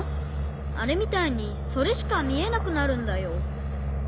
あれみたいにそれしかみえなくなるんだよ。